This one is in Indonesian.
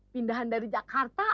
pindahan dari jakarta